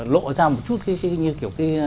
lộ ra một chút như kiểu